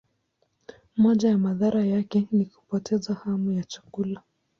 Moja ya madhara yake ni kupoteza hamu ya chakula.